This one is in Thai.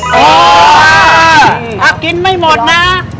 เออถ้ากินไม่หมดนะ